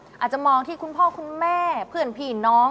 อาจจะมองที่คุณพ่อคุณแม่เพื่อนผีน้อง